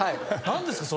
何ですか？